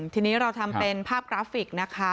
ทีนี้เราทำเป็นภาพกราฟิกนะคะ